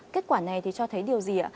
kết quả này thì cho thấy điều gì ạ